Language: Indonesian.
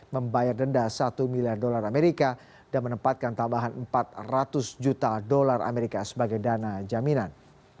membayar denda satu miliar dolar amerika dan menempatkan tambahan empat ratus juta dolar amerika sebagai dana jaminan